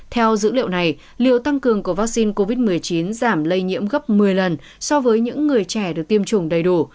theo dữ liệu này liệu tăng cường của vaccine covid một mươi chín giảm lây nhiễm gấp một mươi lần so với những người trẻ được tiêm chủng đầy đủ